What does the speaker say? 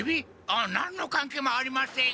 あっ何の関係もありません。